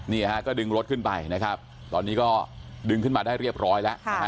นี่ฮะก็ดึงรถขึ้นไปนะครับตอนนี้ก็ดึงขึ้นมาได้เรียบร้อยแล้วนะฮะ